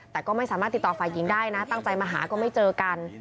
แต่ก็ไม่สามารถติดต่อฝ่ายหญิงได้นะตั้งใจมาหาก็ไม่เจอกัน